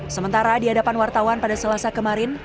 sementara di hadapan wartawan pada selasa kemarin